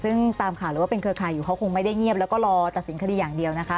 ซึ่งตามข่าวหรือว่าเป็นเครือข่ายอยู่เขาคงไม่ได้เงียบแล้วก็รอตัดสินคดีอย่างเดียวนะคะ